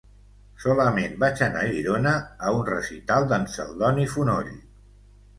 Solament vaig anar a Girona a un recital d'en Celdoni Fonoll.